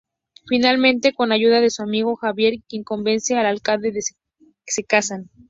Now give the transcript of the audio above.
Finalmente, con ayuda de su amigo Javier, quien convence al alcalde, se casan.